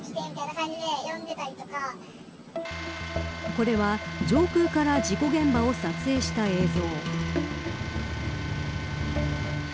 これは上空から事故現場を撮影した映像。